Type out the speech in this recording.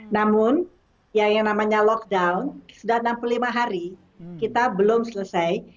namun yang namanya lockdown sudah enam puluh lima hari kita belum selesai